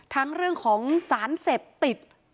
ทั้งเรื่องของสารเสพติด